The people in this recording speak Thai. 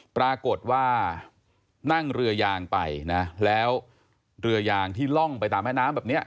ปรากฏว่านั่งเรือยางไปนะแล้วเรือยางที่ล่องไปตามแม่น้ำแบบเนี้ย